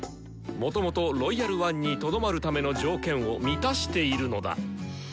もともと「ロイヤル・ワン」にとどまるための条件を満たしているのだ。